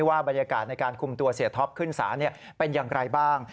บรรยากาศในการคุมตัวเสียท็อปขึ้นศาลเป็นอย่างไรบ้าง